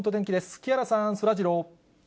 木原さん、そらジロー。